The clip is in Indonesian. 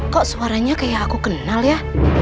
kok suaranya kayak aku kenal ya